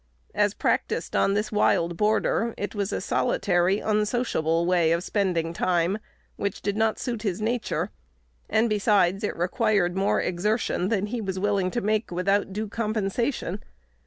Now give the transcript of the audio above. As practised on this wild border, it was a solitary, unsociable way of spending time, which did not suit his nature; and, besides, it required more exertion than he was willing to make without due compensation.